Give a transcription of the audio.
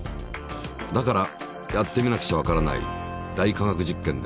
だからやってみなくちゃわからない「大科学実験」で。